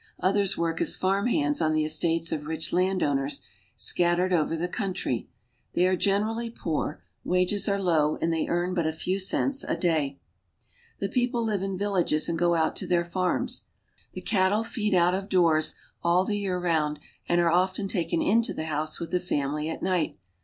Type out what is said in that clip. Others work as farm hands on the Jiestates of rich landowners, scattered over the country, "hey are generally poor; wages are low, and they earn t a few cents a day. The people live in villages and go ont to their farms. KThe cattle feed out of doors all the year round, and are B4>ften taken into the house with the family at night.